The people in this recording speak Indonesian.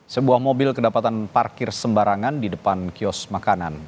sebuah mobil kedapatan parkir sembarangan di depan kios makanan